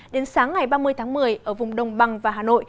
đến sáng ngày ba mươi tháng một mươi ở vùng đông bằng và hà nội